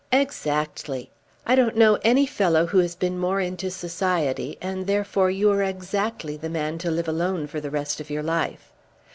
"Exactly. I don't know any fellow who has been more into society, and therefore you are exactly the man to live alone for the rest of your life.